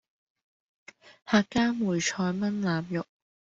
客家梅菜炆腩肉